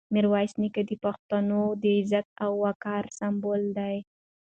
میرویس نیکه د پښتنو د عزت او وقار سمبول دی.